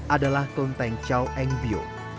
adalah kelenteng chow eng byo